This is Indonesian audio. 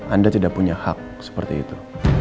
anda tidak punya hak seperti itu